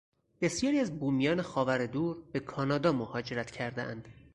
بسیاری از بومیان خاور دور به کانادا مهاجرت کردهاند.